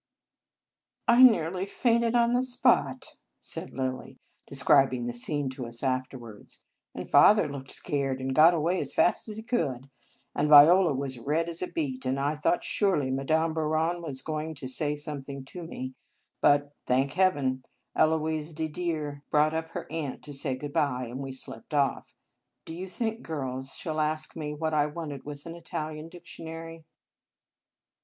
" I nearly fainted on the spot," said Lilly, describing the scene to us after wards; " and father looked scared, and got away as fast as he could; and Viola was red as a beet; and I thought surely Madame Bouron was going to say something to me; but, thank Hea ven ! Eloise Didier brought up her aunt to say good by, and we slipped off. Do you think, girls, she 11 ask me what I wanted with an Italian dictionary?"